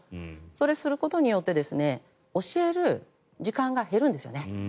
それをすることによって教える時間が減るんですよね。